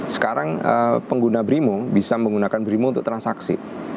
sekarang pengguna brimo bisa menggunakan brimo untuk transaksi